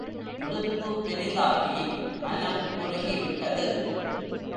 இடுப்பு பெரிதாகி, மனம் குறுகிவிட்டது.